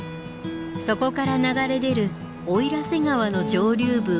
そこから流れ出る奥入瀬川の上流部